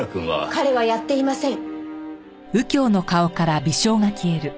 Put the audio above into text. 彼はやっていません。